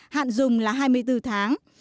hạn dùng là hai mươi bốn tháng